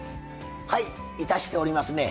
はいいたしておりますね。